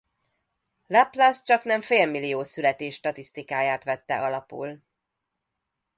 Laplace csaknem félmillió születés statisztikáját vette alapul.